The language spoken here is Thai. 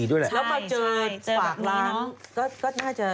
เขาลงรูปรูปโพสต์ทุก๒๐นาที